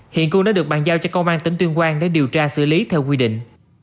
hiện cương đã được bàn giao cho công an tỉnh tuyên quang để điều tra xử lý theo quy định